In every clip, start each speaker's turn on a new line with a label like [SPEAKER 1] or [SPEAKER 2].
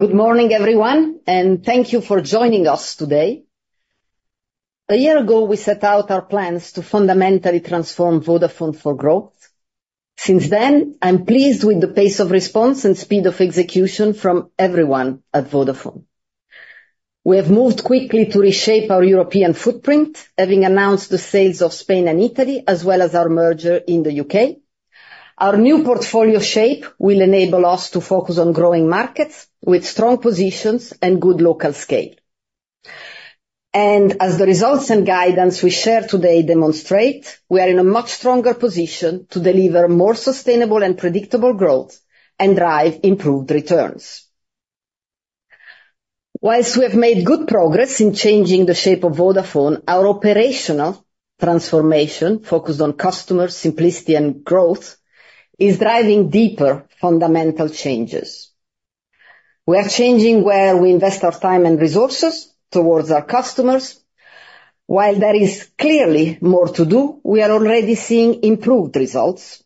[SPEAKER 1] Good morning, everyone, and thank you for joining us today. A year ago, we set out our plans to fundamentally transform Vodafone for growth. Since then, I'm pleased with the pace of response and speed of execution from everyone at Vodafone. We have moved quickly to reshape our European footprint, having announced the sales of Spain and Italy, as well as our merger in the U.K. Our new portfolio shape will enable us to focus on growing markets with strong positions and good local scale. As the results and guidance we share today demonstrate, we are in a much stronger position to deliver more sustainable and predictable growth and drive improved returns. Whilst we have made good progress in changing the shape of Vodafone, our operational transformation, focused on customer simplicity and growth, is driving deeper, fundamental changes. We are changing where we invest our time and resources towards our customers. While there is clearly more to do, we are already seeing improved results.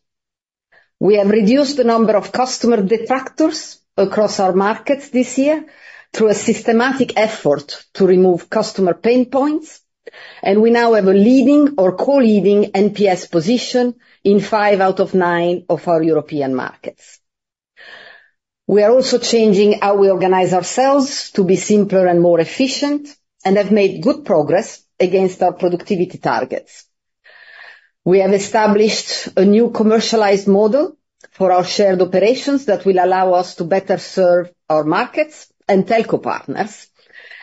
[SPEAKER 1] We have reduced the number of customer detractors across our markets this year through a systematic effort to remove customer pain points, and we now have a leading or co-leading NPS position in five out of nine of our European markets. We are also changing how we organize ourselves to be simpler and more efficient, and have made good progress against our productivity targets. We have established a new commercialized model for our shared operations that will allow us to better serve our markets and telco partners,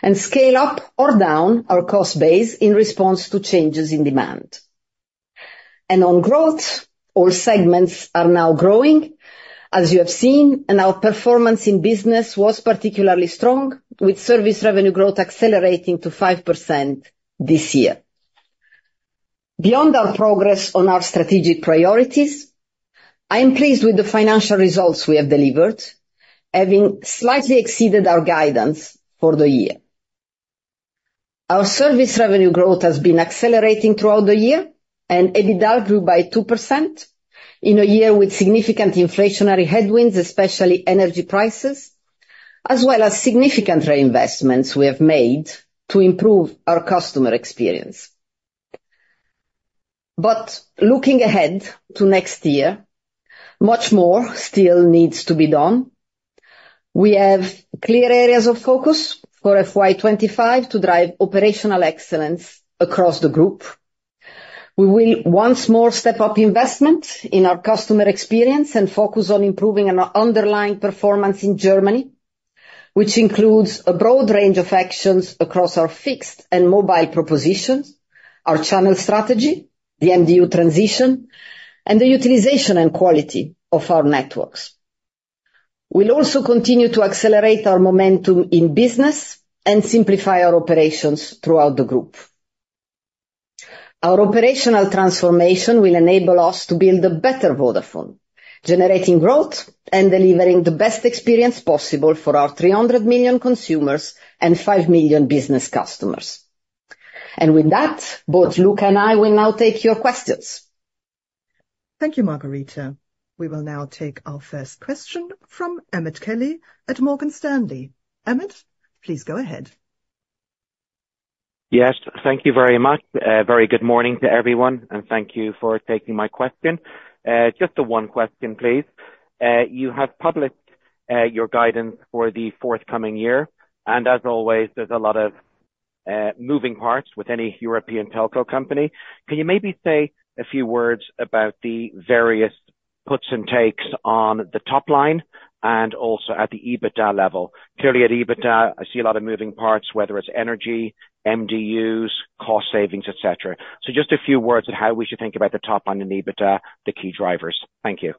[SPEAKER 1] and scale up or down our cost base in response to changes in demand. On growth, all segments are now growing, as you have seen, and our performance in business was particularly strong, with service revenue growth accelerating to 5% this year. Beyond our progress on our strategic priorities, I am pleased with the financial results we have delivered, having slightly exceeded our guidance for the year. Our service revenue growth has been accelerating throughout the year, and EBITDA grew by 2% in a year with significant inflationary headwinds, especially energy prices, as well as significant reinvestments we have made to improve our customer experience. Looking ahead to next year, much more still needs to be done. We have clear areas of focus for FY25 to drive operational excellence across the group. We will once more step up investment in our customer experience and focus on improving our underlying performance in Germany, which includes a broad range of actions across our fixed and mobile propositions, our channel strategy, the MDU transition, and the utilization and quality of our networks. We'll also continue to accelerate our momentum in business and simplify our operations throughout the group. Our operational transformation will enable us to build a better Vodafone, generating growth and delivering the best experience possible for our 300 million consumers and 5 million business customers. With that, both Luka and I will now take your questions.
[SPEAKER 2] Thank you, Margherita. We will now take our first question from Emmet Kelly at Morgan Stanley. Emmet, please go ahead.
[SPEAKER 3] Yes, thank you very much. Very good morning to everyone, and thank you for taking my question. Just the one question, please. You have published your guidance for the forthcoming year, and as always, there's a lot of moving parts with any European telco company. Can you maybe say a few words about the various puts and takes on the top line and also at the EBITDA level? Clearly, at EBITDA, I see a lot of moving parts, whether it's energy, MDUs, cost savings, et cetera. So just a few words on how we should think about the top line in EBITDA, the key drivers. Thank you.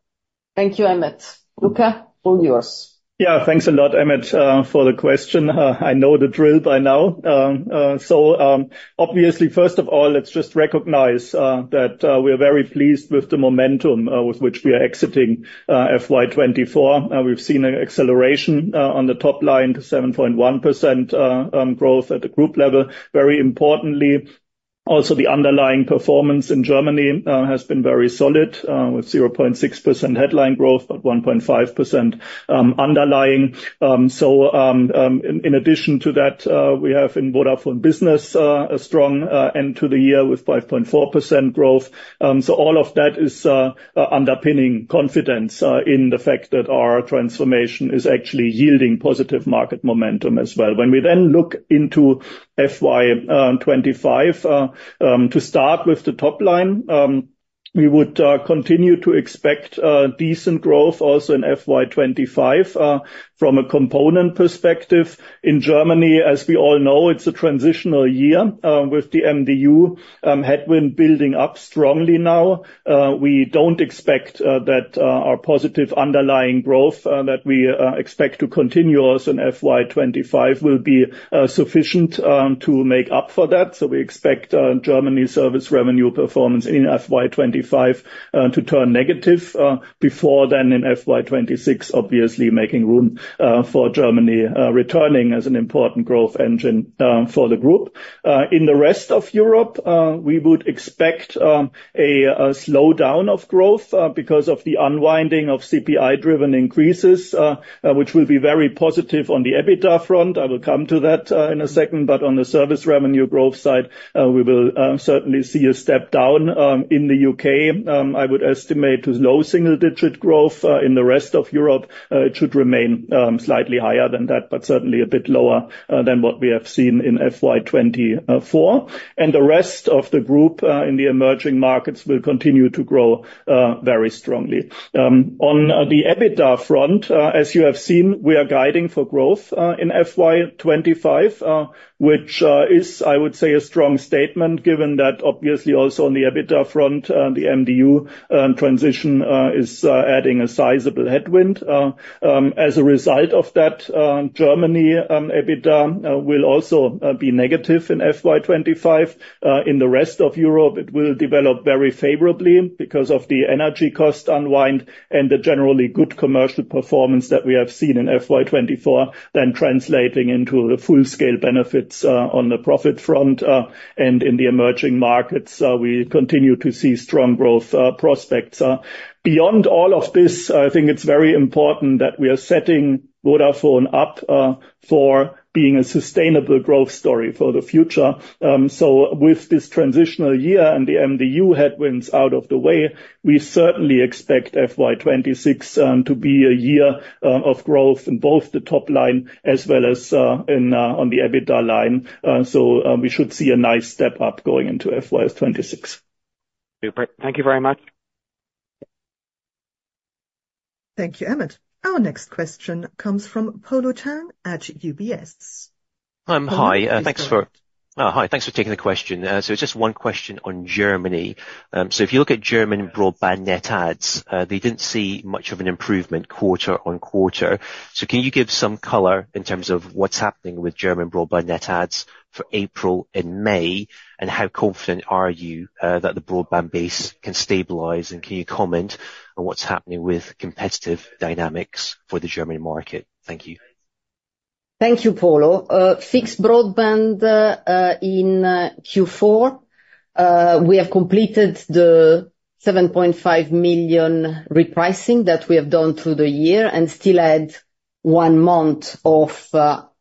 [SPEAKER 1] Thank you, Emmet. Luka, all yours.
[SPEAKER 4] Yeah, thanks a lot, Emmet, for the question. I know the drill by now. So, obviously, first of all, let's just recognize that we are very pleased with the momentum with which we are exiting FY24. We've seen an acceleration on the top line to 7.1% growth at the group level. Very importantly, also, the underlying performance in Germany has been very solid with 0.6% headline growth, but 1.5% underlying. So, in addition to that, we have in Vodafone Business a strong end to the year with 5.4% growth. So all of that is underpinning confidence in the fact that our transformation is actually yielding positive market momentum as well. When we then look into FY25 to start with the top line, we would continue to expect decent growth also in FY25. From a component perspective, in Germany, as we all know, it's a transitional year with the MDU headwind building up strongly now. We don't expect that our positive underlying growth that we expect to continue also in FY25 will be sufficient to make up for that. So we expect Germany service revenue performance in FY25 to turn negative before then in FY26, obviously making room for Germany returning as an important growth engine for the group. In the rest of Europe, we would expect a slowdown of growth because of the unwinding of CPI-driven increases, which will be very positive on the EBITDA front. I will come to that in a second. But on the service revenue growth side, we will certainly see a step down in the U.K. I would estimate with low single-digit growth in the rest of Europe, it should remain slightly higher than that, but certainly a bit lower than what we have seen in FY24. And the rest of the group in the emerging markets will continue to grow very strongly. On the EBITDA front, as you have seen, we are guiding for growth in FY25, which is, I would say, a strong statement, given that obviously also on the EBITDA front, the MDU transition is adding a sizable headwind. As a result of that, Germany EBITDA will also be negative in FY25. In the rest of Europe, it will develop very favorably because of the energy cost unwind and the generally good commercial performance that we have seen in FY24, then translating into the full-scale benefits on the profit front, and in the emerging markets, we continue to see strong growth prospects. Beyond all of this, I think it's very important that we are setting Vodafone up for being a sustainable growth story for the future. With this transitional year and the MDU headwinds out of the way, we certainly expect FY26 to be a year of growth in both the top line as well as in on the EBITDA line. We should see a nice step up going into FY26.
[SPEAKER 1] Great. Thank you very much.
[SPEAKER 2] Thank you, Emmet. Our next question comes from Polo Tang at UBS.
[SPEAKER 5] Hi. Thanks for-
[SPEAKER 4] Hi, Polo.
[SPEAKER 5] Oh, hi. Thanks for taking the question. So just one question on Germany. So if you look at German broadband net adds, they didn't see much of an improvement quarter-on-quarter. So can you give some color in terms of what's happening with German broadband net adds for April and May? And how confident are you that the broadband base can stabilize? And can you comment on what's happening with competitive dynamics for the German market? Thank you.
[SPEAKER 1] Thank you, Polo. Fixed broadband, in Q4, we have completed the 7.5 million repricing that we have done through the year and still add one month of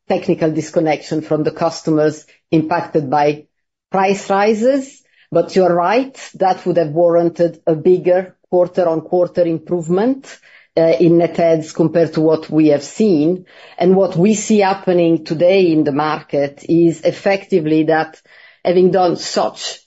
[SPEAKER 1] technical disconnection from the customers impacted by price rises. But you are right, that would have warranted a bigger quarter-on-quarter improvement in net adds compared to what we have seen. And what we see happening today in the market is effectively that having done such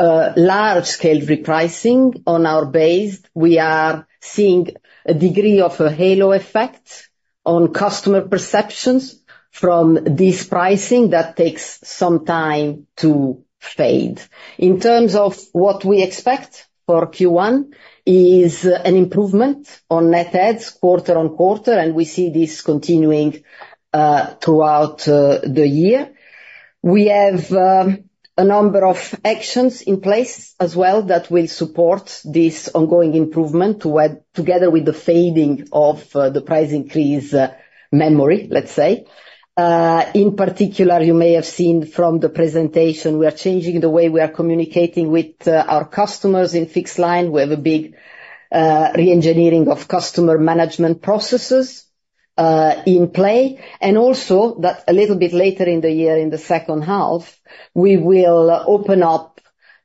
[SPEAKER 1] large-scale repricing on our base, we are seeing a degree of a halo effect on customer perceptions from this pricing that takes some time to fade. In terms of what we expect for Q1 is an improvement on net adds quarter-on-quarter, and we see this continuing throughout the year. We have a number of actions in place as well that will support this ongoing improvement, together with the fading of the price increase memory, let's say. In particular, you may have seen from the presentation, we are changing the way we are communicating with our customers in fixed line. We have a big reengineering of customer management processes in play, and also that a little bit later in the year, in the second half, we will open up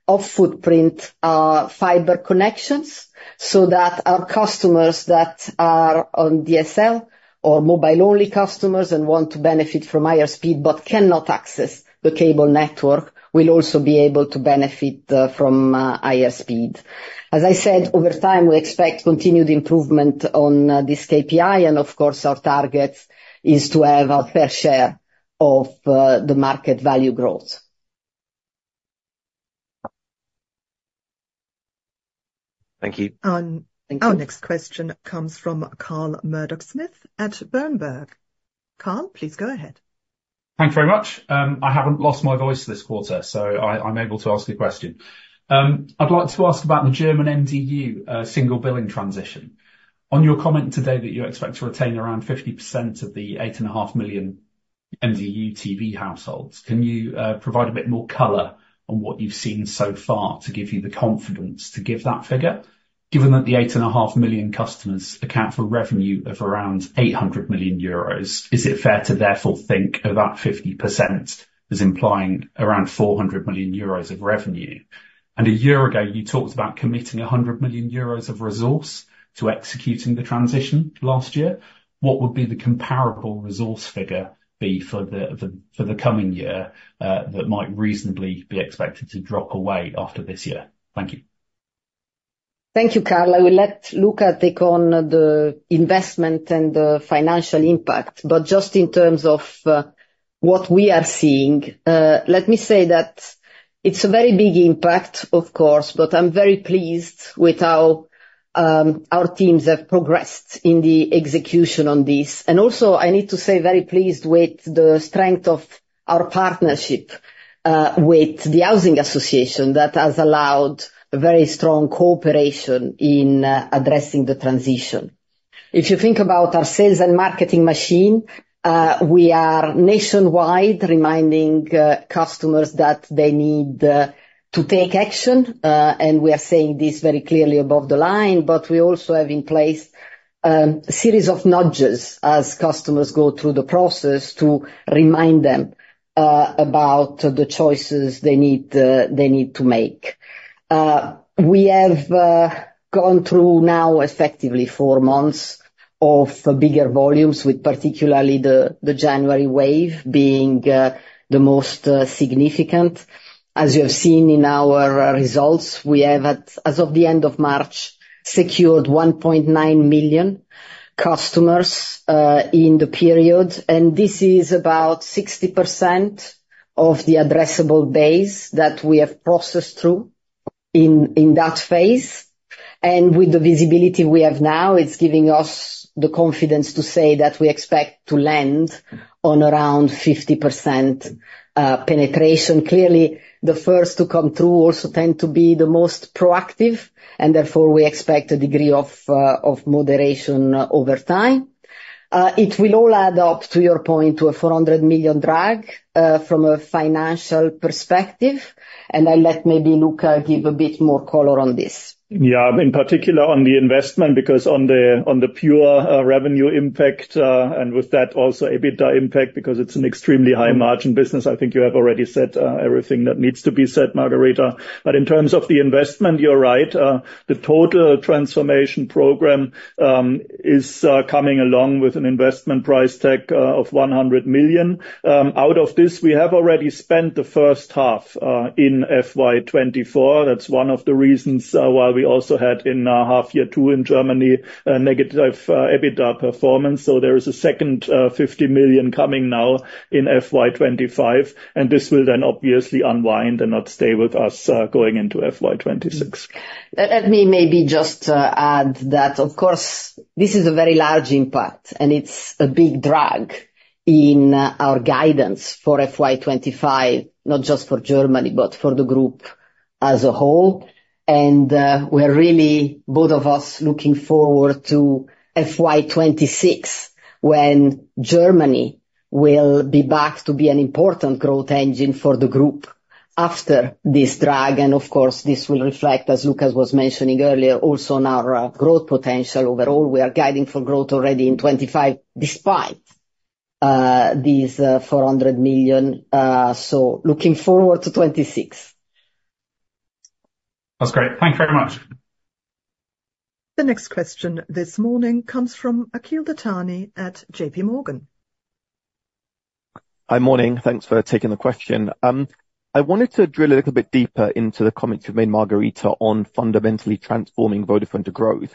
[SPEAKER 1] off-footprint fiber connections, so that our customers that are on DSL or mobile-only customers and want to benefit from higher speed but cannot access the cable network, will also be able to benefit from higher speed. As I said, over time, we expect continued improvement on this KPI, and of course, our target is to have our fair share of the market value growth.
[SPEAKER 5] Thank you.
[SPEAKER 2] Um-
[SPEAKER 1] Thank you.
[SPEAKER 2] Our next question comes from Carl Murdock-Smith at Berenberg. Carl, please go ahead.
[SPEAKER 6] Thanks very much. I haven't lost my voice this quarter, so I'm able to ask the question. I'd like to ask about the German MDU single billing transition. On your comment today that you expect to retain around 50% of the 8.5 million MDU TV households, can you provide a bit more color on what you've seen so far to give you the confidence to give that figure? Given that the 8.5 million customers account for revenue of around 800 million euros, is it fair to therefore think about 50% as implying around 400 million euros of revenue? And a year ago, you talked about committing 100 million euros of resource to executing the transition last year. What would be the comparable resource figure be for the, for the coming year, that might reasonably be expected to drop away after this year? Thank you. ...
[SPEAKER 1] Thank you, Carl. I will let Luka take on the investment and the financial impact. But just in terms of what we are seeing, let me say that it's a very big impact, of course, but I'm very pleased with how our teams have progressed in the execution on this. And also, I need to say, very pleased with the strength of our partnership with the housing association that has allowed a very strong cooperation in addressing the transition. If you think about our sales and marketing machine, we are nationwide reminding customers that they need to take action, and we are saying this very clearly above the line, but we also have in place a series of nudges as customers go through the process to remind them about the choices they need to make. We have gone through now effectively four months of bigger volumes, with particularly the January wave being the most significant. As you have seen in our results, we have, as of the end of March, secured 1.9 million customers in the period, and this is about 60% of the addressable base that we have processed through in that phase. With the visibility we have now, it's giving us the confidence to say that we expect to land on around 50% penetration. Clearly, the first to come through also tend to be the most proactive, and therefore we expect a degree of moderation over time. It will all add up, to your point, to a 400 million drag from a financial perspective, and I'll let maybe Luka give a bit more color on this.
[SPEAKER 4] Yeah. In particular, on the investment, because on the pure revenue impact, and with that, also EBITDA impact, because it's an extremely high margin business, I think you have already said everything that needs to be said, Margherita. But in terms of the investment, you're right. The total transformation program is coming along with an investment price tag of 100 million. Out of this, we have already spent the first half in FY 2024. That's one of the reasons why we also had in half year two in Germany, a negative EBITDA performance. So there is a second 50 million coming now in FY 2025, and this will then obviously unwind and not stay with us going into FY 2026.
[SPEAKER 1] Let me maybe just add that, of course, this is a very large impact, and it's a big drag in our guidance for FY25, not just for Germany, but for the group as a whole. And we're really, both of us, looking forward to FY26, when Germany will be back to be an important growth engine for the group after this drag. And of course, this will reflect, as Luka was mentioning earlier, also on our growth potential. Overall, we are guiding for growth already in 25, despite these 400 million. So looking forward to 26.
[SPEAKER 4] That's great. Thank you very much.
[SPEAKER 2] The next question this morning comes from Akhil Dattani at JPMorgan.
[SPEAKER 7] Hi, morning. Thanks for taking the question. I wanted to drill a little bit deeper into the comments you made, Margherita, on fundamentally transforming Vodafone to growth.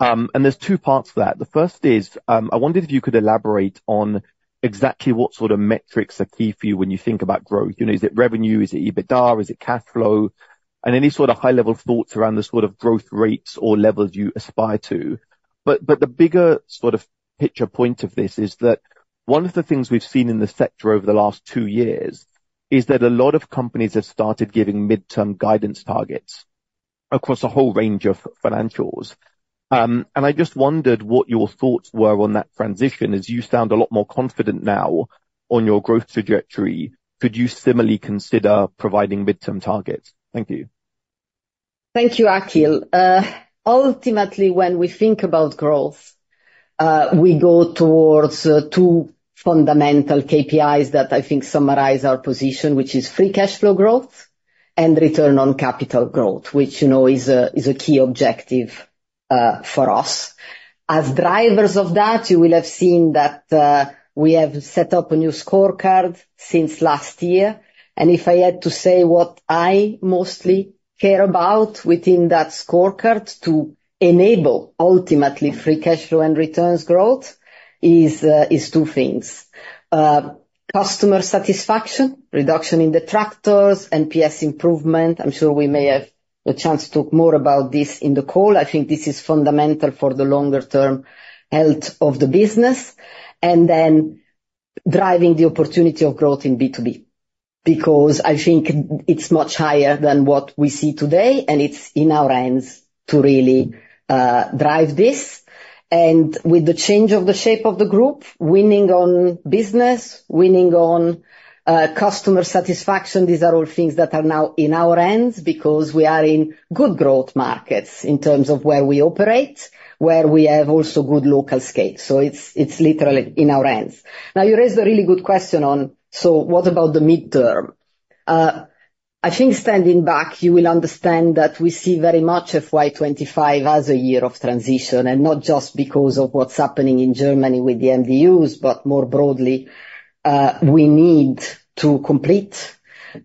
[SPEAKER 7] And there's two parts to that. The first is, I wondered if you could elaborate on exactly what sort of metrics are key for you when you think about growth. You know, is it revenue? Is it EBITDA? Is it cash flow? And any sort of high-level thoughts around the sort of growth rates or levels you aspire to. But, but the bigger sort of picture point of this is that one of the things we've seen in the sector over the last two years is that a lot of companies have started giving midterm guidance targets across a whole range of financials. I just wondered what your thoughts were on that transition, as you sound a lot more confident now on your growth trajectory. Could you similarly consider providing midterm targets? Thank you.
[SPEAKER 1] Thank you, Akhil. Ultimately, when we think about growth, we go towards two fundamental KPIs that I think summarize our position, which is free cash flow growth and return on capital growth, which, you know, is a, is a key objective for us. As drivers of that, you will have seen that we have set up a new scorecard since last year, and if I had to say what I mostly care about within that scorecard to enable ultimately free cash flow and returns growth is, is two things. Customer satisfaction, reduction in detractors, NPS improvement. I'm sure we may have a chance to talk more about this in the call. I think this is fundamental for the longer-term health of the business. And then driving the opportunity of growth in B2B, because I think it's much higher than what we see today, and it's in our hands to really drive this. And with the change of the shape of the group, winning on business, winning on customer satisfaction, these are all things that are now in our hands because we are in good growth markets in terms of where we operate, where we have also good local scale. So it's, it's literally in our hands. Now, you raised a really good question on: So what about the midterm? I think standing back, you will understand that we see very much FY 25 as a year of transition, and not just because of what's happening in Germany with the MDUs, but more broadly. We need to complete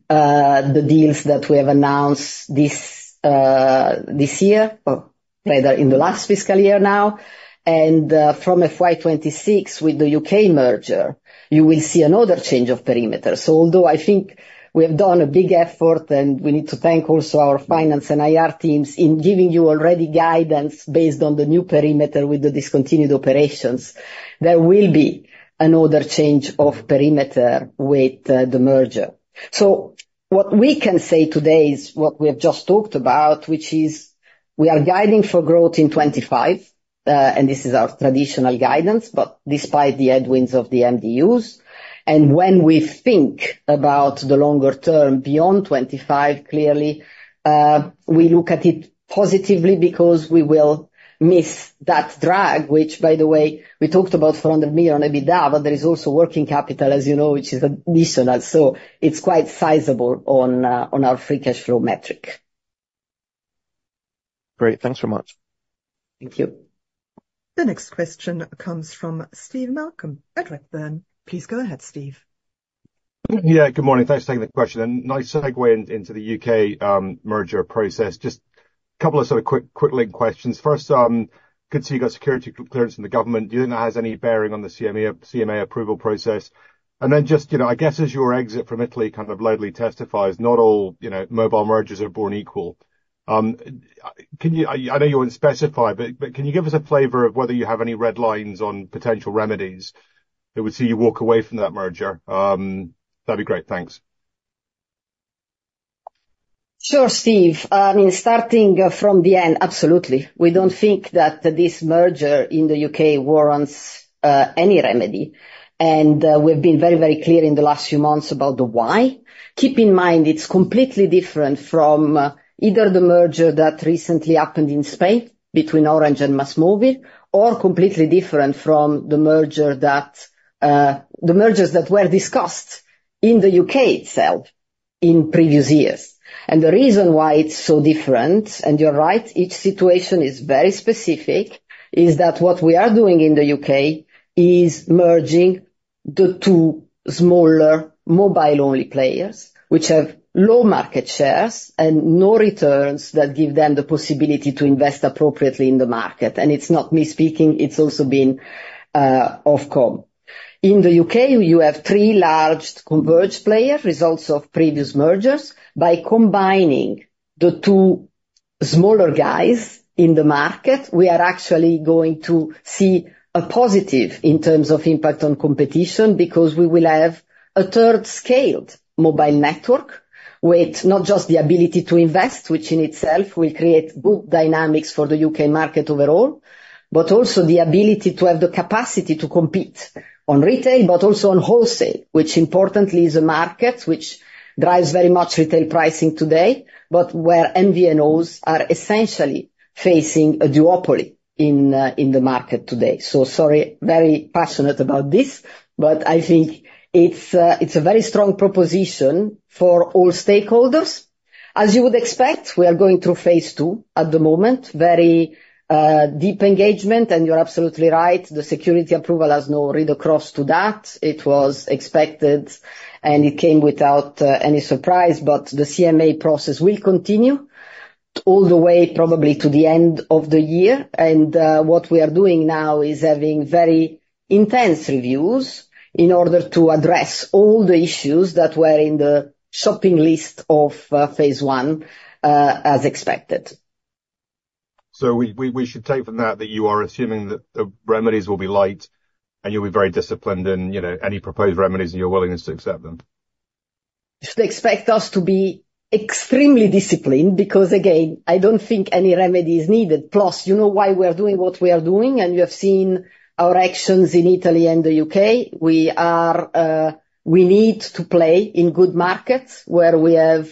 [SPEAKER 1] the deals that we have announced this year, or rather in the last fiscal year now, and from FY26, with the U.K. merger, you will see another change of perimeter. So although I think we have done a big effort, and we need to thank also our finance and IR teams in giving you already guidance based on the new perimeter with the discontinued operations, there will be another change of perimeter with the merger. So what we can say today is what we have just talked about, which is we are guiding for growth in 25, and this is our traditional guidance, but despite the headwinds of the MDUs. When we think about the longer term beyond 25, clearly, we look at it positively because we will miss that drag, which by the way, we talked about EUR 400 million on EBITDA, but there is also working capital, as you know, which is additional. So it's quite sizable on our free cash flow metric.
[SPEAKER 7] Great. Thanks very much.
[SPEAKER 1] Thank you.
[SPEAKER 2] The next question comes from Steve Malcolm from Redburn. Please go ahead, Steve.
[SPEAKER 8] Yeah, good morning. Thanks for taking the question, and nice segue into the U.K. merger process. Just a couple of sort of quick link questions. First, could you got security clearance from the government? Do you know, has any bearing on the CMA approval process? And then just, you know, I guess as your exit from Italy kind of loudly testifies, not all, you know, mobile mergers are born equal. Can you... I know you wouldn't specify, but can you give us a flavor of whether you have any red lines on potential remedies that would see you walk away from that merger? That'd be great. Thanks.
[SPEAKER 1] Sure, Steve. In starting from the end, absolutely. We don't think that this merger in the U.K. warrants any remedy, and we've been very, very clear in the last few months about the why. Keep in mind, it's completely different from either the merger that recently happened in Spain between Orange and MasMovil, or completely different from the merger that, the mergers that were discussed in the U.K. itself in previous years. And the reason why it's so different, and you're right, each situation is very specific, is that what we are doing in the U.K. is merging the two smaller mobile-only players, which have low market shares and no returns that give them the possibility to invest appropriately in the market, and it's not me speaking, it's also been, Ofcom. In the U.K., you have three large converged players, results of previous mergers. By combining the two smaller guys in the market, we are actually going to see a positive in terms of impact on competition, because we will have a third scaled mobile network, with not just the ability to invest, which in itself will create good dynamics for the U.K. market overall, but also the ability to have the capacity to compete on retail, but also on wholesale, which importantly, is a market which drives very much retail pricing today, but where MVNOs are essentially facing a duopoly in the market today. So sorry, very passionate about this, but I think it's a, it's a very strong proposition for all stakeholders. As you would expect, we are going through phase II at the moment, very deep engagement, and you're absolutely right, the security approval has no read across to that. It was expected, and it came without any surprise, but the CMA process will continue all the way, probably to the end of the year. What we are doing now is having very intense reviews in order to address all the issues that were in the shopping list of phase I, as expected.
[SPEAKER 8] So we should take from that that you are assuming that the remedies will be light, and you'll be very disciplined in, you know, any proposed remedies and your willingness to accept them?
[SPEAKER 1] You should expect us to be extremely disciplined, because again, I don't think any remedy is needed. Plus, you know why we are doing what we are doing, and you have seen our actions in Italy and the U.K. We are we need to play in good markets where we have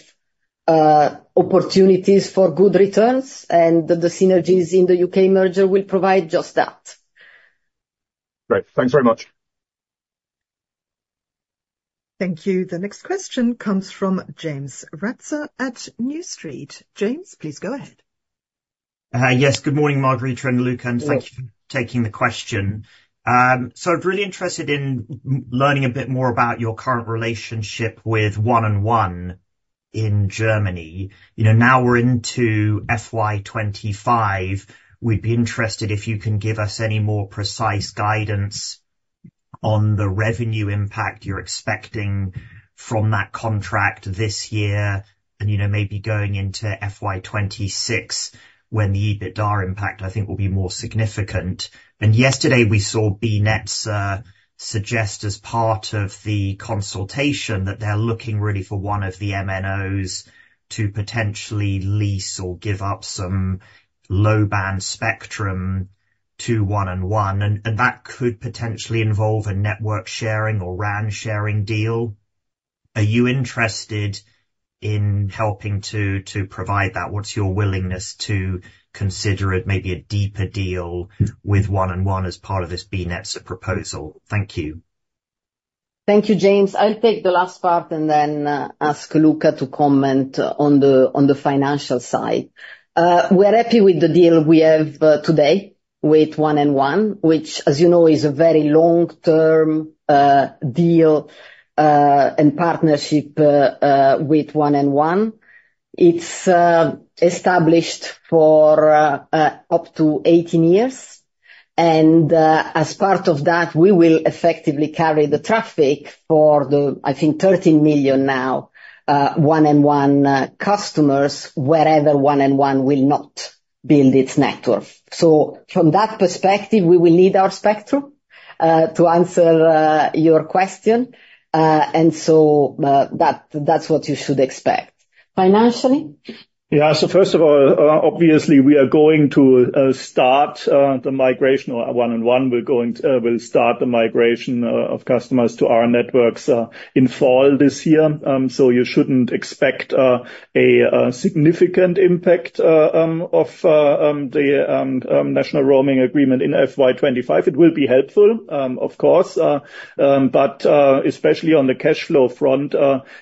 [SPEAKER 1] opportunities for good returns, and the synergies in the U.K. merger will provide just that.
[SPEAKER 8] Great. Thanks very much.
[SPEAKER 2] Thank you. The next question comes from James Ratzer at New Street. James, please go ahead.
[SPEAKER 9] Yes. Good morning, Margherita and Luka-
[SPEAKER 1] Yes.
[SPEAKER 9] Thank you for taking the question. So really interested in learning a bit more about your current relationship with 1&1 in Germany. You know, now we're into FY25, we'd be interested if you can give us any more precise guidance on the revenue impact you're expecting from that contract this year and, you know, maybe going into FY26, when the EBITDA impact, I think, will be more significant. Yesterday, we saw BNetZA suggest, as part of the consultation, that they're looking really for one of the MNOs to potentially lease or give up some low-band spectrum to 1&1, and that could potentially involve a network sharing or RAN sharing deal. Are you interested in helping to provide that? What's your willingness to consider it, maybe a deeper deal with 1&1 as part of this BNetzA proposal? Thank you.
[SPEAKER 1] Thank you, James. I'll take the last part and then ask Luka to comment on the financial side. We're happy with the deal we have today with 1&1, which, as you know, is a very long-term deal and partnership with 1&1. It's established for up to 18 years, and as part of that, we will effectively carry the traffic for the, I think, 13 million now 1&1 customers, wherever 1&1 will not build its network. So from that perspective, we will need our spectrum to answer your question, and so that that's what you should expect. Financially?
[SPEAKER 4] Yeah. So first of all, obviously, we are going to start the migration of 1&1. We'll start the migration of customers to our networks in fall this year. So you shouldn't expect a significant impact of the national roaming agreement in FY25. It will be helpful, of course, but especially on the cash flow front,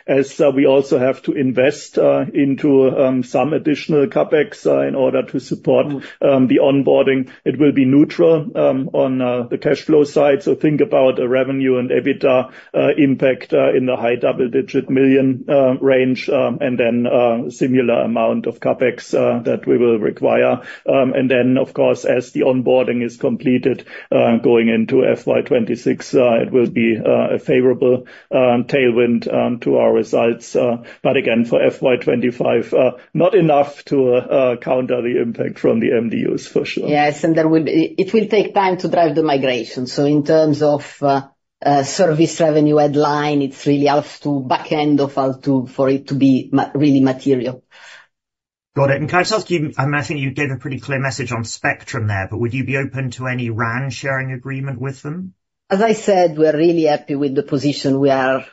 [SPEAKER 4] as we also have to invest into some additional CapEx in order to support the onboarding. It will be neutral on the cash flow side. So think about a revenue and EBITDA impact in the high double-digit million EUR range, and then similar amount of CapEx that we will require. And then, of course, as the onboarding is completed, going into FY 2026, it will be a favorable tailwind to our results. But again, for FY 2025, not enough to counter the impact from the MDUs, for sure.
[SPEAKER 1] Yes, and then it will take time to drive the migration. So in terms of service revenue headline, it's really half to back end of half to, for it to be really material.
[SPEAKER 9] Got it. Can I just ask you, I mean, I think you gave a pretty clear message on spectrum there, but would you be open to any RAN sharing agreement with them?
[SPEAKER 1] As I said, we're really happy with the position we are at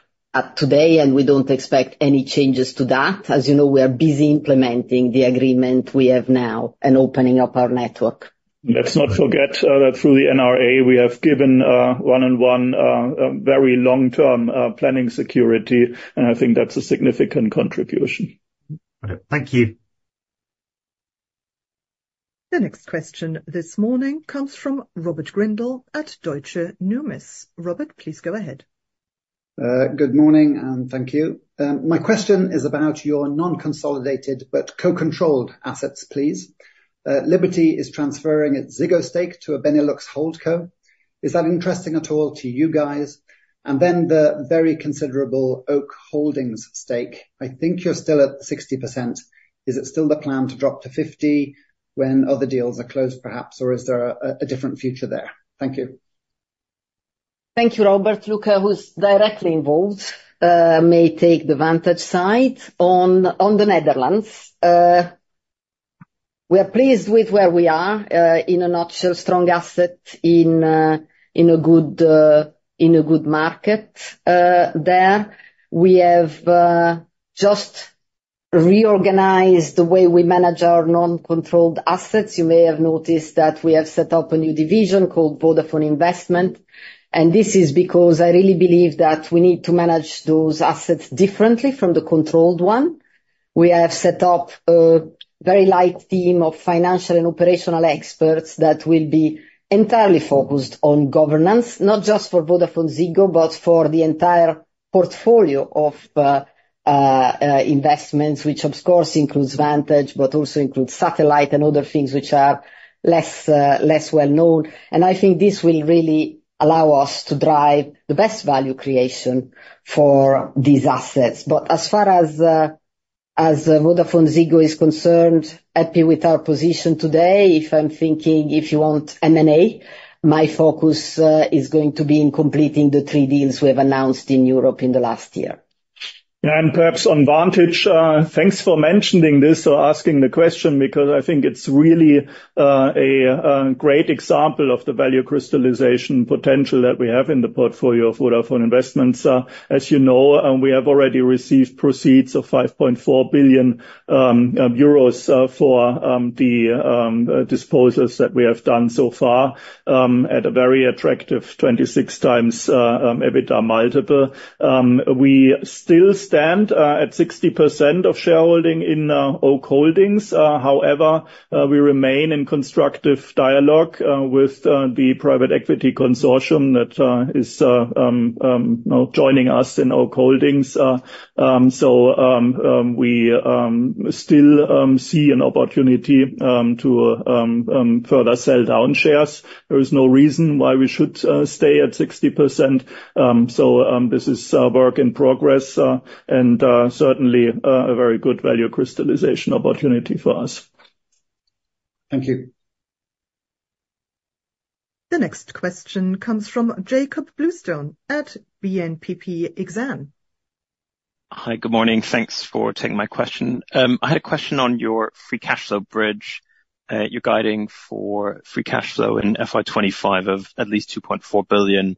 [SPEAKER 1] today, and we don't expect any changes to that. As you know, we are busy implementing the agreement we have now and opening up our network.
[SPEAKER 4] Let's not forget that through the NRA, we have given 1&1 a very long-term planning security, and I think that's a significant contribution.
[SPEAKER 9] Thank you.
[SPEAKER 2] The next question this morning comes from Robert Grindle at Deutsche Numis. Robert, please go ahead.
[SPEAKER 10] Good morning, and thank you. My question is about your non-consolidated but co-controlled assets, please. Liberty is transferring its Ziggo stake to a Benelux holdco. Is that interesting at all to you guys? And then the very considerable Oak Holdings stake. I think you're still at 60%. Is it still the plan to drop to 50 when other deals are closed, perhaps, or is there a, a different future there? Thank you.
[SPEAKER 1] Thank you, Robert. Luka, who's directly involved, may take the Vantage side on, on the Netherlands. We are pleased with where we are. In a nutshell, strong asset in, in a good, in a good market. There we have just reorganized the way we manage our non-controlled assets. You may have noticed that we have set up a new division called Vodafone Investments, and this is because I really believe that we need to manage those assets differently from the controlled one. We have set up a very light team of financial and operational experts that will be entirely focused on governance, not just for VodafoneZiggo, but for the entire portfolio of investments, which of course includes Vantage, but also includes satellite and other things which are less, less well known. I think this will really allow us to drive the best value creation for these assets. But as far as VodafoneZiggo is concerned, happy with our position today. If I'm thinking, if you want M&A, my focus is going to be in completing the three deals we have announced in Europe in the last year.
[SPEAKER 4] Perhaps on Vantage, thanks for mentioning this or asking the question, because I think it's really a great example of the value crystallization potential that we have in the portfolio of Vodafone Investments. As you know, we have already received proceeds of 5.4 billion euros for the disposals that we have done so far, at a very attractive 26x EBITDA multiple. We still stand at 60% of shareholding in Oak Holdings. However, we remain in constructive dialogue with the private equity consortium that is, you know, joining us in Oak Holdings. We still see an opportunity to further sell down shares. There is no reason why we should stay at 60%. So, this is work in progress, and certainly a very good value crystallization opportunity for us.
[SPEAKER 10] Thank you.
[SPEAKER 2] The next question comes from Jakob Bluestone at BNPP Exane.
[SPEAKER 11] Hi, good morning. Thanks for taking my question. I had a question on your free cash flow bridge. You're guiding for free cash flow in FY25 of at least 2.4 billion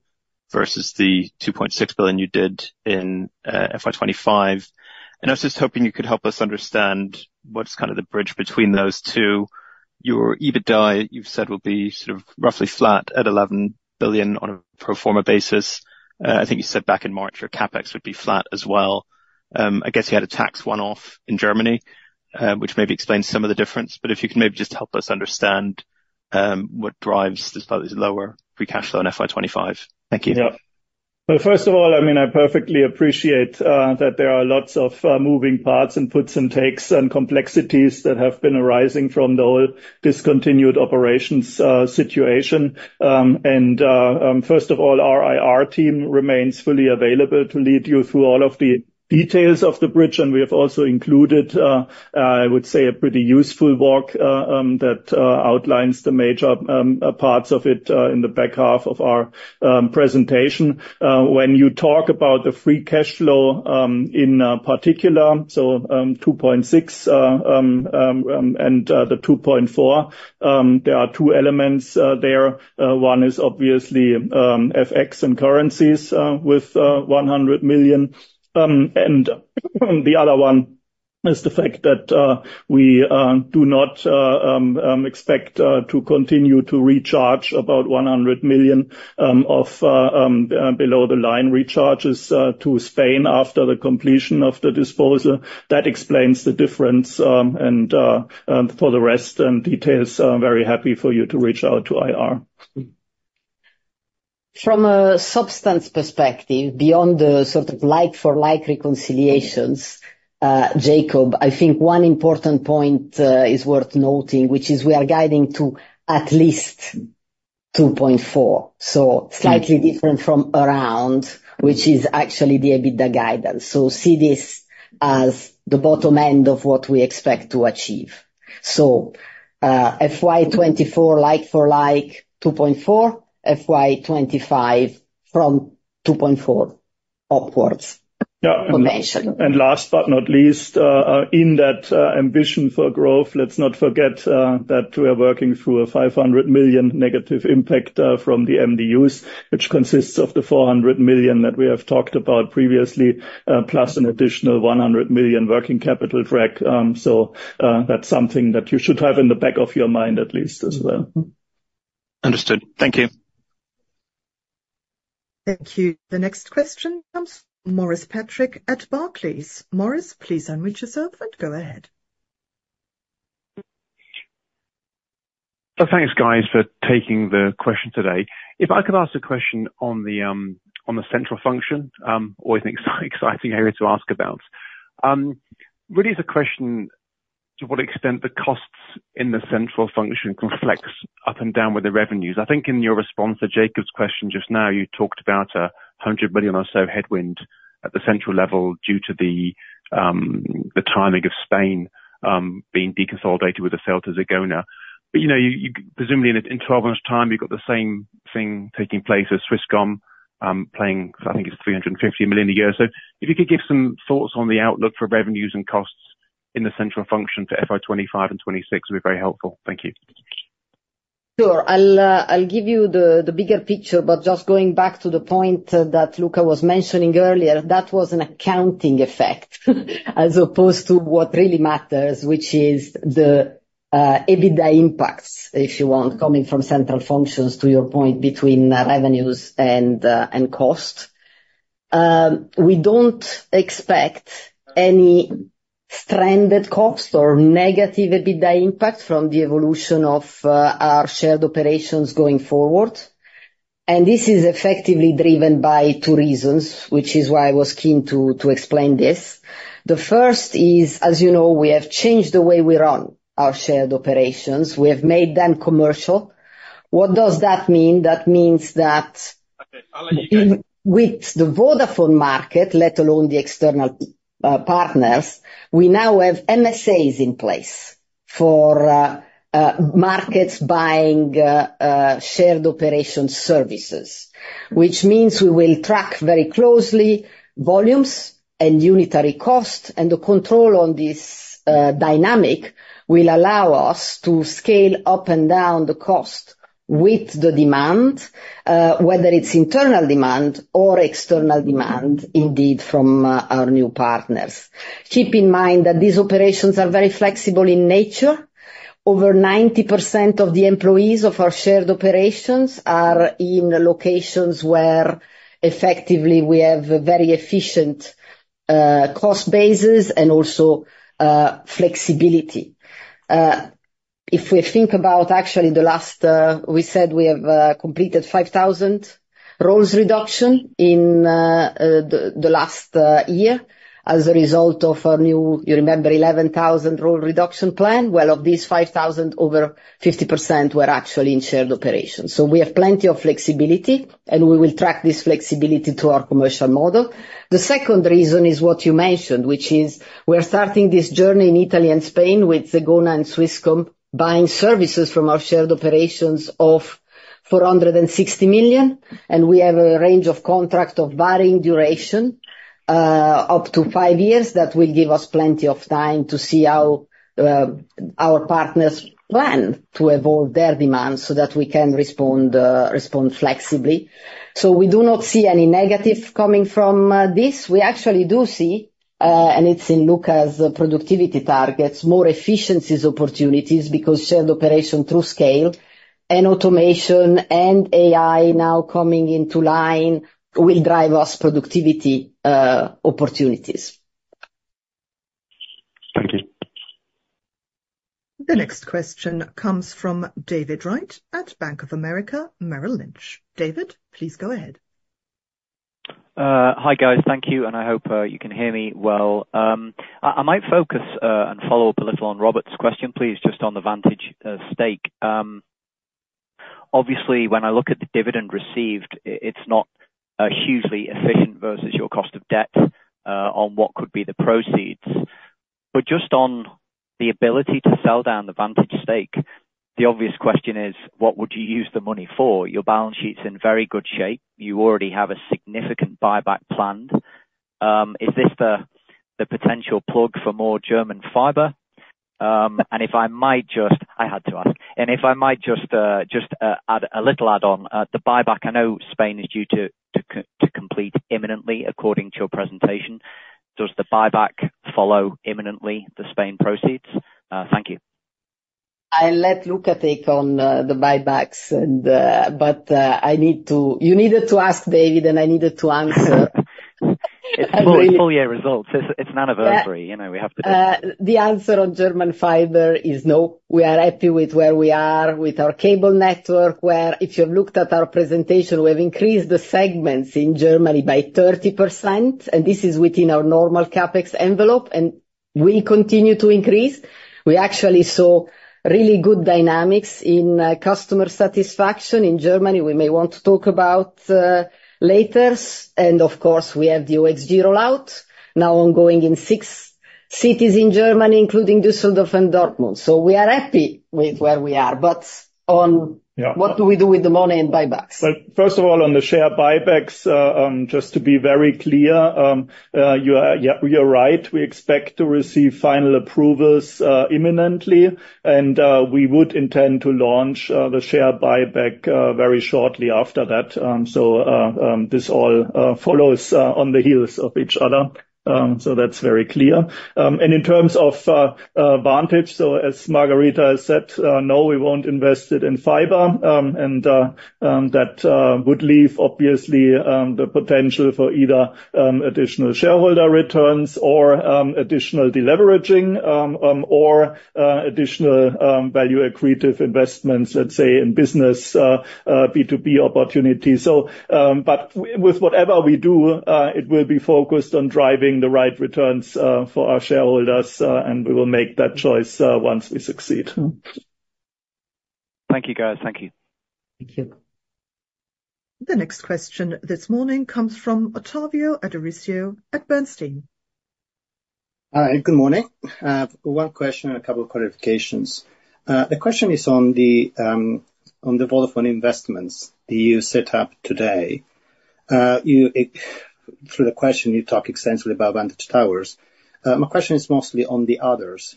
[SPEAKER 11] versus the 2.6 billion you did in FY25. And I was just hoping you could help us understand what's kind of the bridge between those two. Your EBITDA, you've said, will be sort of roughly flat at 11 billion on a pro forma basis. I think you said back in March, your CapEx would be flat as well. I guess you had a tax one-off in Germany, which maybe explains some of the difference, but if you could maybe just help us understand what drives this lower free cash flow in FY25. Thank you....
[SPEAKER 4] Well, first of all, I mean, I perfectly appreciate that there are lots of moving parts and puts and takes, and complexities that have been arising from the whole discontinued operations situation. First of all, our IR team remains fully available to lead you through all of the details of the bridge, and we have also included, I would say, a pretty useful walk that outlines the major parts of it in the back half of our presentation. When you talk about the free cash flow in particular, so 2.6 and the 2.4, there are two elements there. One is obviously FX and currencies with 100 million. The other one is the fact that we do not expect to continue to recharge about 100 million of below-the-line recharges to Spain after the completion of the disposal. That explains the difference, and for the rest details, I'm very happy for you to reach out to IR.
[SPEAKER 1] From a substance perspective, beyond the sort of like for like reconciliations, Jacob, I think one important point is worth noting, which is we are guiding to at least 2.4. Slightly different from around, which is actually the EBITDA guidance. See this as the bottom end of what we expect to achieve. FY 2024, like for like, 2.4, FY 2025 from 2.4 upwards.
[SPEAKER 4] Yeah.
[SPEAKER 1] convention.
[SPEAKER 4] And last but not least, in that ambition for growth, let's not forget that we are working through a 500 million negative impact from the MDUs, which consists of the 400 million that we have talked about previously, plus an additional 100 million working capital drag. So, that's something that you should have in the back of your mind, at least as well.
[SPEAKER 11] Understood. Thank you.
[SPEAKER 2] Thank you. The next question comes from Maurice Patrick at Barclays. Maurice, please unmute yourself and go ahead.
[SPEAKER 12] Thanks, guys, for taking the question today. If I could ask a question on the central function, always an exciting area to ask about. Really, it's a question, to what extent the costs in the central function can flex up and down with the revenues? I think in your response to Jacob's question just now, you talked about 100 million or so headwind at the central level due to the timing of Spain being deconsolidated with the sale to Zegona. But you know, you presumably in 12 months' time, you've got the same thing taking place as Swisscom paying, I think it's 350 million a year. So if you could give some thoughts on the outlook for revenues and costs in the central function for FY25 and FY26, it'd be very helpful. Thank you.
[SPEAKER 1] Sure. I'll give you the bigger picture, but just going back to the point that Luka was mentioning earlier, that was an accounting effect, as opposed to what really matters, which is the EBITDA impacts, if you want, coming from central functions to your point between revenues and cost. We don't expect any stranded cost or negative EBITDA impact from the evolution of our shared operations going forward. And this is effectively driven by two reasons, which is why I was keen to explain this. The first is, as you know, we have changed the way we run our shared operations. We have made them commercial. What does that mean? That means that with the Vodafone market, let alone the external, partners, we now have MSAs in place for markets buying shared operation services, which means we will track very closely volumes and unitary cost, and the control on this dynamic will allow us to scale up and down the cost with the demand, whether it's internal demand or external demand, indeed, from our new partners. Keep in mind that these operations are very flexible in nature. Over 90% of the employees of our shared operations are in locations where effectively we have a very efficient cost basis and also flexibility. If we think about actually the last, we said we have completed 5,000 roles reduction in the last year as a result of a new, you remember, 11,000 role reduction plan. Well, of these 5,000, over 50% were actually in shared operations. So we have plenty of flexibility, and we will track this flexibility to our commercial model. The second reason is what you mentioned, which is we're starting this journey in Italy and Spain with Zegona and Swisscom buying services from our shared operations of 460 million, and we have a range of contracts of varying duration up to 5 years. That will give us plenty of time to see how our partners plan to evolve their demands so that we can respond flexibly. So we do not see any negative coming from this. We actually do see, and it's in Luka's productivity targets, more efficiencies opportunities, because shared operation through scale and automation and AI now coming into line, will drive us productivity opportunities....
[SPEAKER 4] Thank you.
[SPEAKER 2] The next question comes from David Wright at Bank of America Merrill Lynch. David, please go ahead.
[SPEAKER 13] Hi, guys. Thank you, and I hope you can hear me well. I might focus and follow up a little on Robert's question, please, just on the Vantage stake. Obviously, when I look at the dividend received, it's not a hugely efficient versus your cost of debt on what could be the proceeds. But just on the ability to sell down the Vantage stake, the obvious question is: what would you use the money for? Your balance sheet's in very good shape. You already have a significant buyback planned. Is this the potential plug for more German fiber? And if I might just, I had to ask. And if I might just add a little add-on, the buyback, I know Spain is due to complete imminently, according to your presentation. Does the buyback follow imminently the Spain proceeds? Thank you.
[SPEAKER 1] I'll let Luka take on the buybacks, but I need to... You needed to ask, David, and I needed to answer.
[SPEAKER 13] It's full. It's full-year results. It's an anniversary.
[SPEAKER 1] Yeah.
[SPEAKER 13] You know, we have to do it.
[SPEAKER 1] The answer on German fiber is no. We are happy with where we are with our cable network, where, if you looked at our presentation, we've increased the segments in Germany by 30%, and this is within our normal CapEx envelope, and we continue to increase. We actually saw really good dynamics in, customer satisfaction in Germany. We may want to talk about, laters. And of course, we have the OXG rollout now ongoing in six cities in Germany, including Düsseldorf and Dortmund. So we are happy with where we are, but on-
[SPEAKER 4] Yeah.
[SPEAKER 1] What do we do with the money in buybacks?
[SPEAKER 4] Well, first of all, on the share buybacks, just to be very clear, you are, yeah, you're right. We expect to receive final approvals imminently, and we would intend to launch the share buyback very shortly after that. So this all follows on the heels of each other. So that's very clear. And in terms of Vantage, so as Margherita has said, no, we won't invest it in fiber, and that would leave, obviously, the potential for either additional shareholder returns or additional deleveraging or additional value accretive investments, let's say, in business B2B opportunities. So, but with whatever we do, it will be focused on driving the right returns for our shareholders, and we will make that choice once we succeed.
[SPEAKER 13] Thank you, guys. Thank you.
[SPEAKER 1] Thank you.
[SPEAKER 2] The next question this morning comes from Ottavio Adorisio at Bernstein.
[SPEAKER 14] Hi, good morning. One question and a couple of clarifications. The question is on the Vodafone Investments that you set up today. You, through the question, you talk extensively about Vantage Towers. My question is mostly on the others,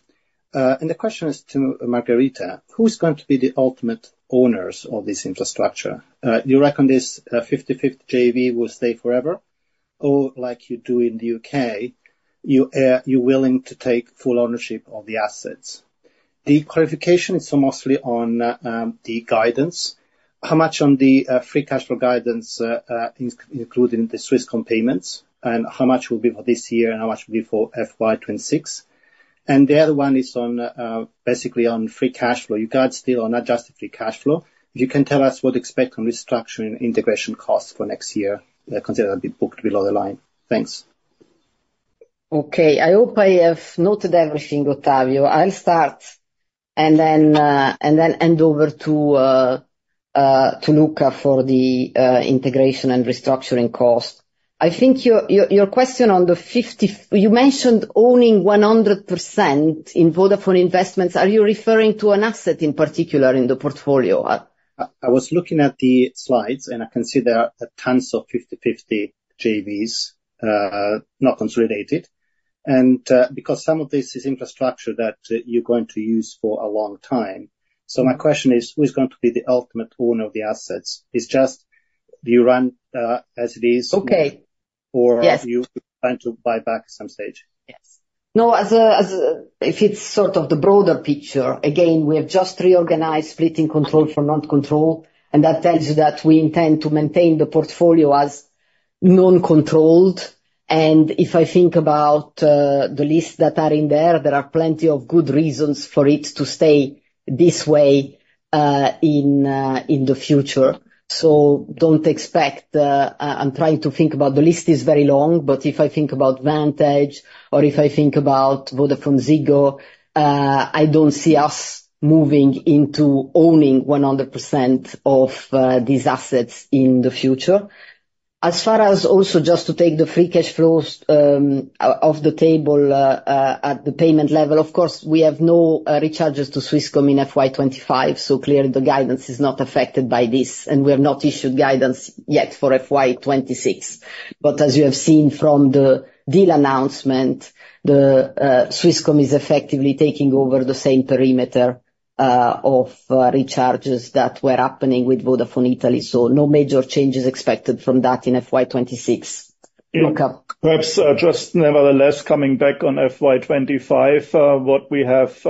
[SPEAKER 14] and the question is to Margherita. Who's going to be the ultimate owners of this infrastructure? You reckon this 50/50 JV will stay forever, or like you do in the U.K., you, you're willing to take full ownership of the assets? The clarification is so mostly on the guidance. How much on the free cash flow guidance is including the Swisscom payments, and how much will be for this year, and how much will be for FY 2026? And the other one is on basically on free cash flow. Your guidance still on adjusted free cash flow. If you can tell us what to expect from restructuring integration costs for next year, considering they'll be booked below the line. Thanks.
[SPEAKER 1] Okay. I hope I have noted everything, Ottavio. I'll start and then, and then hand over to, to Luka for the, integration and restructuring cost. I think your, your, your question on the fifty... You mentioned owning 100% in Vodafone Investments. Are you referring to an asset in particular in the portfolio?
[SPEAKER 14] I was looking at the slides, and I can see there are tons of 50/50 JVs, not consolidated, and because some of this is infrastructure that you're going to use for a long time. So my question is: Who's going to be the ultimate owner of the assets? It's just, do you run as it is?
[SPEAKER 1] Okay.
[SPEAKER 14] Or-
[SPEAKER 1] Yes...
[SPEAKER 14] do you plan to buy back at some stage?
[SPEAKER 1] Yes. No, if it's sort of the broader picture, again, we have just reorganized, splitting control from non-control, and that tells you that we intend to maintain the portfolio as non-controlled. And if I think about the lists that are in there, there are plenty of good reasons for it to stay this way in the future. So don't expect... I'm trying to think about, the list is very long, but if I think about Vantage or if I think about Vodafone Ziggo, I don't see us moving into owning 100% of these assets in the future. As far as also just to take the free cash flows off the table at the payment level, of course, we have no recharges to Swisscom in FY25, so clearly the guidance is not affected by this, and we have not issued guidance yet for FY26. But as you have seen from the deal announcement, Swisscom is effectively taking over the same perimeter of recharges that were happening with Vodafone Italy, so no major changes expected from that in FY26....
[SPEAKER 4] Perhaps, just nevertheless, coming back on FY25, what we have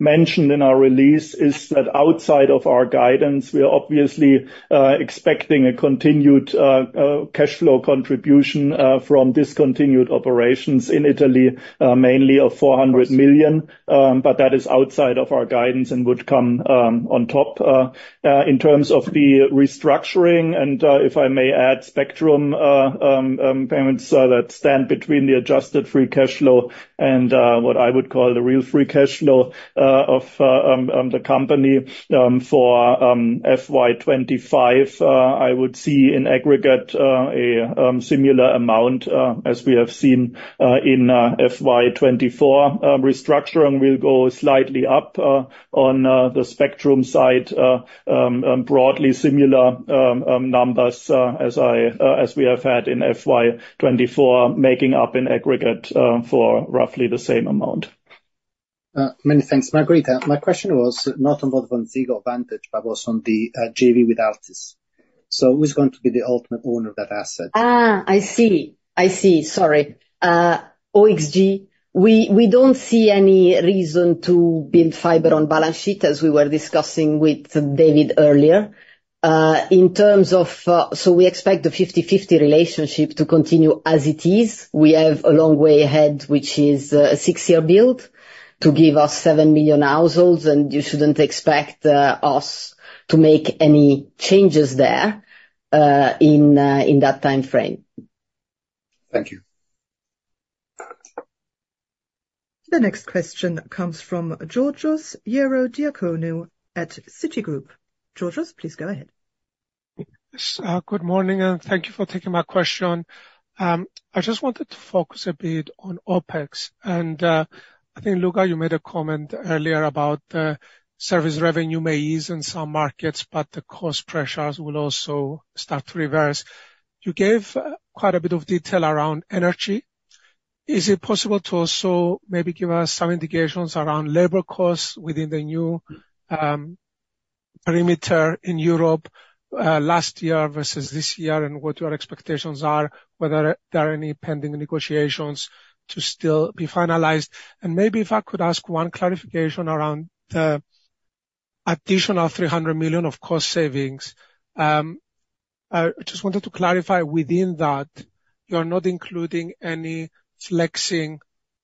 [SPEAKER 4] mentioned in our release is that outside of our guidance, we are obviously expecting a continued cash flow contribution from discontinued operations in Italy mainly of 400 million. But that is outside of our guidance and would come on top. In terms of the restructuring, and if I may add spectrum payments that stand between the adjusted free cash flow and what I would call the real free cash flow of the company for FY25. I would see in aggregate a similar amount as we have seen in FY24. Restructuring will go slightly up on the spectrum side. Broadly similar numbers as we have had in FY24, making up in aggregate for roughly the same amount.
[SPEAKER 14] Many thanks. Margherita, my question was not about VodafoneZiggo or Vantage, but was on the JV with Altice. So who's going to be the ultimate owner of that asset?
[SPEAKER 1] Ah, I see. I see. Sorry. OXG, we don't see any reason to build fiber on balance sheet, as we were discussing with David earlier. In terms of... So we expect the 50/50 relationship to continue as it is. We have a long way ahead, which is a six-year build to give us 7 million households, and you shouldn't expect us to make any changes there, in that time frame.
[SPEAKER 14] Thank you.
[SPEAKER 2] The next question comes from Georgios Ierodiaconou at Citigroup. Georgios, please go ahead.
[SPEAKER 15] Yes, good morning, and thank you for taking my question. I just wanted to focus a bit on OpEx, and, I think, Luka, you made a comment earlier about service revenue may ease in some markets, but the cost pressures will also start to reverse. You gave quite a bit of detail around energy. Is it possible to also maybe give us some indications around labor costs within the new, perimeter in Europe, last year versus this year, and what your expectations are? Whether there are any pending negotiations to still be finalized. And maybe if I could ask one clarification around the additional 300 million of cost savings. I just wanted to clarify, within that, you're not including any flexing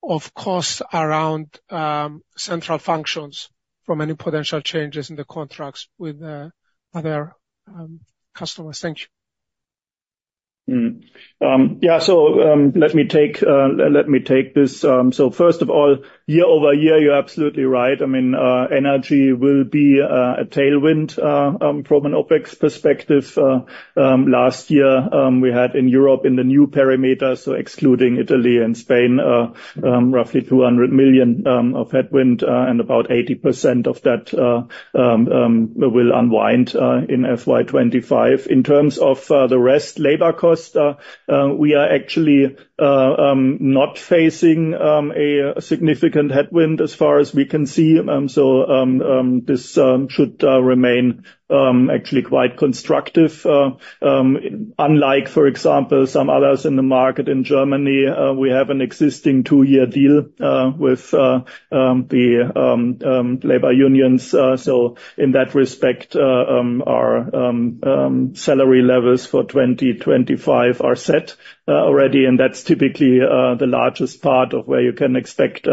[SPEAKER 15] of costs around, central functions from any potential changes in the contracts with, other, customers? Thank you.
[SPEAKER 4] Yeah, so, let me take this. So first of all, year-over-year, you're absolutely right. I mean, energy will be a tailwind from an OpEx perspective. Last year, we had in Europe, in the new perimeter, so excluding Italy and Spain, roughly 200 million of headwind, and about 80% of that will unwind in FY25. In terms of the rest, labor costs, we are actually not facing a significant headwind as far as we can see. So this should remain actually quite constructive. Unlike, for example, some others in the market, in Germany, we have an existing two-year deal with the labor unions. So in that respect, our salary levels for 2025 are set already, and that's typically the largest part of where you can expect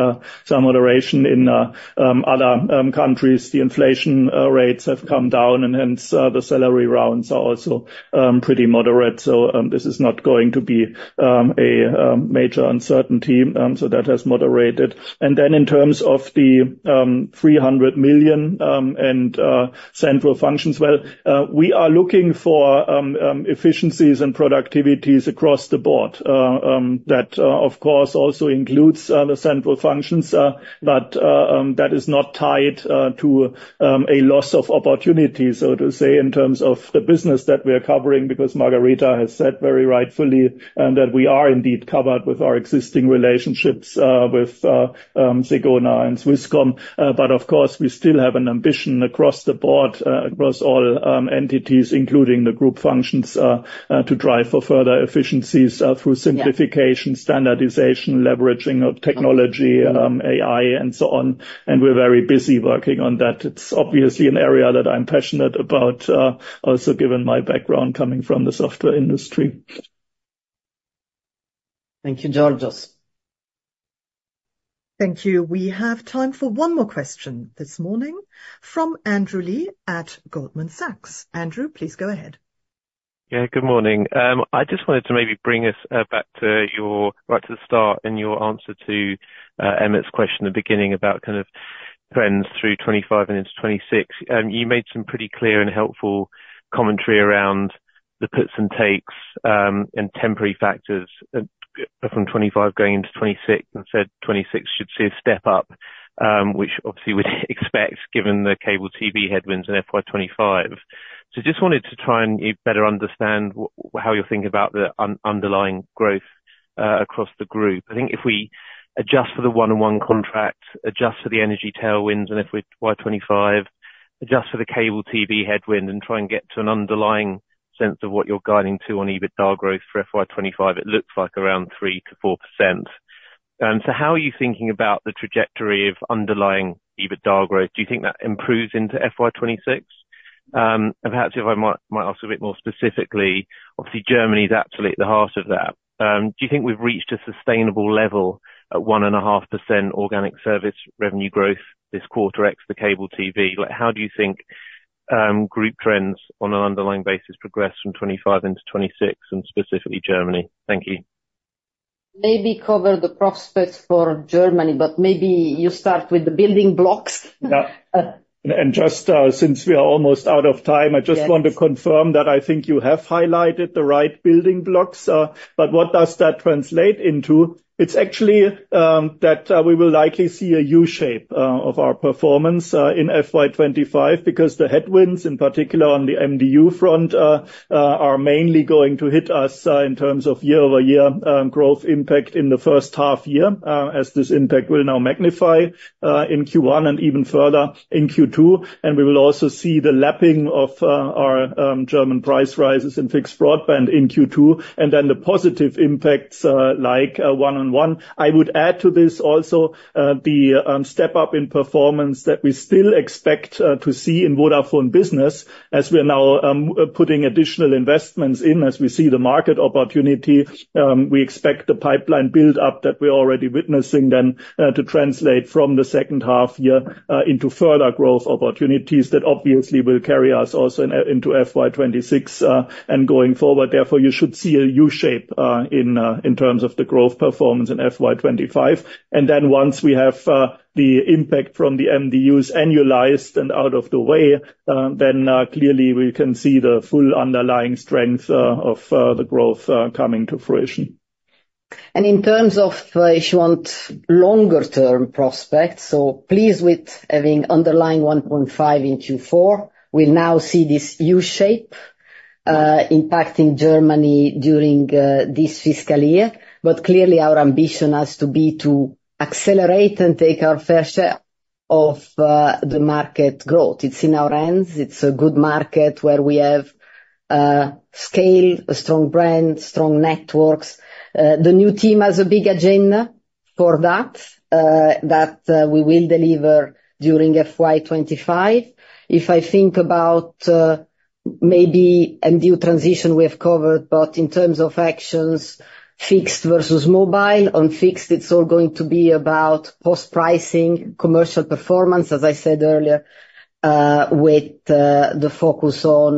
[SPEAKER 4] some moderation. In other countries, the inflation rates have come down, and hence the salary rounds are also pretty moderate. So this is not going to be a major uncertainty. So that has moderated. And then in terms of the 300 million and central functions, well, we are looking for efficiencies and productivities across the board. That, of course, also includes the central functions, but that is not tied to a loss of opportunity, so to say, in terms of the business that we are covering, because Margherita has said very rightfully that we are indeed covered with our existing relationships with Zegona and Swisscom. But of course, we still have an ambition across the board, across all entities, including the group functions, to drive for further efficiencies-
[SPEAKER 1] Yeah...
[SPEAKER 4] through simplification, standardization, leveraging of technology, AI, and so on, and we're very busy working on that. It's obviously an area that I'm passionate about, also given my background coming from the software industry. Thank you, Georgios.
[SPEAKER 2] Thank you. We have time for one more question this morning from Andrew Lee at Goldman Sachs. Andrew, please go ahead.
[SPEAKER 16] Yeah, good morning. I just wanted to maybe bring us back to your right to the start in your answer to Emmet's question in the beginning about kind of trends through 25 and into 2026. You made some pretty clear and helpful commentary around the puts and takes and temporary factors from 25 going into 2026, and said 2026 should see a step up, which obviously we'd expect, given the cable TV headwinds in FY25. So just wanted to try and better understand how you're thinking about the underlying growth across the group. I think if we adjust for the 1&1 contract, adjust for the energy tailwinds in FY25, adjust for the cable TV headwind and try and get to an underlying sense of what you're guiding to on EBITDA growth for FY25. It looks like around 3%-4%. So how are you thinking about the trajectory of underlying EBITDA growth? Do you think that improves into FY26? And perhaps if I might ask a bit more specifically, obviously, Germany is absolutely at the heart of that. Do you think we've reached a sustainable level at 1.5% organic service revenue growth this quarter ex the cable TV? Like, how do you think group trends on an underlying basis progress from 25 into 26, and specifically Germany? Thank you.
[SPEAKER 1] Maybe cover the prospects for Germany, but maybe you start with the building blocks.
[SPEAKER 4] Yeah. And just, since we are almost out of time-
[SPEAKER 1] Yes.
[SPEAKER 4] I just want to confirm that I think you have highlighted the right building blocks, but what does that translate into? It's actually that we will likely see a U shape of our performance in FY25, because the headwinds, in particular on the MDU front, are mainly going to hit us in terms of year-over-year growth impact in the first half year, as this impact will now magnify in Q1 and even further in Q2. And we will also see the lapping of our German price rises in fixed broadband in Q2, and then the positive impacts, like, 1&1. I would add to this also the step-up in performance that we still expect to see in Vodafone Business as we are now putting additional investments in, as we see the market opportunity. We expect the pipeline build-up that we're already witnessing then to translate from the second half year into further growth opportunities that obviously will carry us also into FY26 and going forward. Therefore, you should see a U shape in terms of the growth performance in FY25. And then once we have the impact from the MDUs annualized and out of the way, then clearly we can see the full underlying strength of the growth coming to fruition.
[SPEAKER 1] And in terms of, if you want longer term prospects, so pleased with having underlying 1.5 in Q4. We now see this U shape impacting Germany during this fiscal year. But clearly our ambition has to be to accelerate and take our fair share of the market growth. It's in our hands. It's a good market, where we have scale, a strong brand, strong networks. The new team has a big agenda for that, that we will deliver during FY25. If I think about maybe a new transition we have covered, but in terms of actions, fixed versus mobile. On fixed, it's all going to be about post-pricing, commercial performance, as I said earlier, with the focus on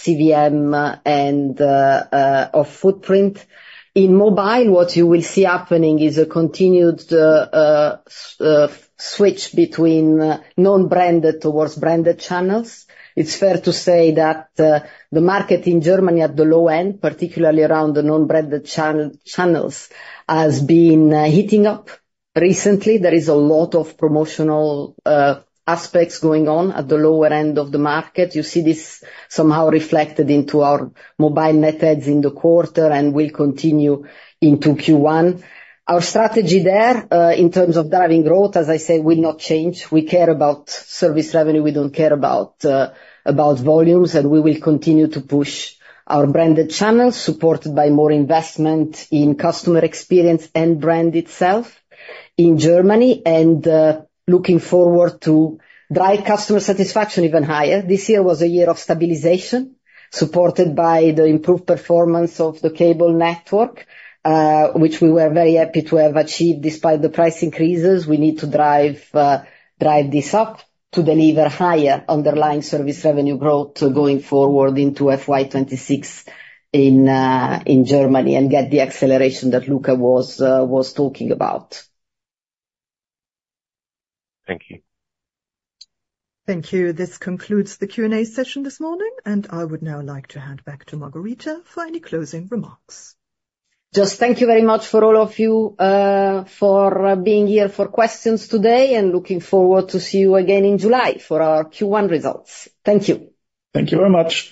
[SPEAKER 1] CVM and of footprint. In mobile, what you will see happening is a continued switch between non-branded towards branded channels. It's fair to say that the market in Germany at the low end, particularly around the non-branded channels, has been heating up recently. There is a lot of promotional aspects going on at the lower end of the market. You see this somehow reflected into our mobile metrics in the quarter and will continue into Q1. Our strategy there in terms of driving growth, as I said, will not change. We care about service revenue. We don't care about volumes, and we will continue to push our branded channels, supported by more investment in customer experience and brand itself in Germany, and looking forward to drive customer satisfaction even higher. This year was a year of stabilization, supported by the improved performance of the cable network, which we were very happy to have achieved despite the price increases. We need to drive, drive this up to deliver higher underlying service revenue growth going forward into FY26 in, in Germany, and get the acceleration that Luka was, was talking about.
[SPEAKER 16] Thank you.
[SPEAKER 2] Thank you. This concludes the Q&A session this morning, and I would now like to hand back to Margherita for any closing remarks.
[SPEAKER 1] Just thank you very much for all of you, for being here for questions today, and looking forward to see you again in July for our Q1 results. Thank you.
[SPEAKER 4] Thank you very much.